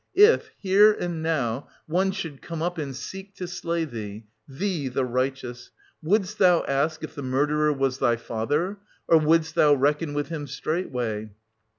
If, here and now, one should come up and seek to slay thee — thee, the righteous — wouldst thou ask if the murderer was thy father, or wouldst thou reckon with him straightway?